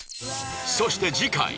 そして次回